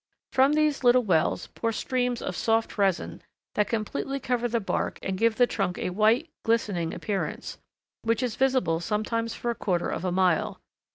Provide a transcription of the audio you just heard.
From these little wells pour streams of soft resin that completely cover the bark and give the trunk a white, glistening appearance, which is visible sometimes for a quarter of a mile.